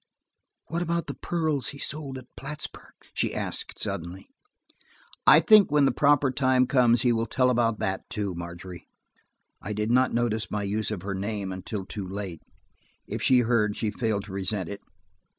"What about the pearls he sold at Plattsburg?" she asked suddenly. "I think when the proper time comes, he will tell about that too, Margery." I did not notice my use of her name until too late. If she heard, she failed to resent it.